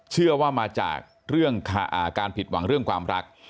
เชื่อว่ามาจากเรื่องการผิดหวังเรื่องความรัก